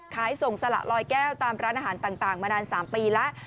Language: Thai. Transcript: ขายส่งสละลอยแก้วตามร้านอาหารต่างมานาน๓ปีแล้ว